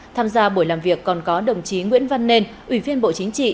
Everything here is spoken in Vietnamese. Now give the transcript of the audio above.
tham gia buổi làm việc còn có đồng chí nguyễn văn nên ủy viên bộ chính trị